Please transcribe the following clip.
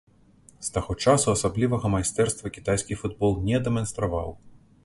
З таго часу асаблівага майстэрства кітайскі футбол не дэманстраваў.